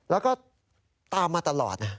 แล้วก็ตามมาตลอดนะ